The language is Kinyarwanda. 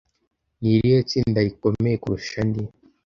ni irihe tsinda rikomeye kurusha andi